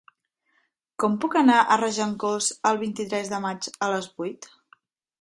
Com puc anar a Regencós el vint-i-tres de maig a les vuit?